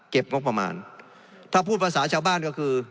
เก็บลของประมาณพูดภาษาคนชาวบ้านก็คือ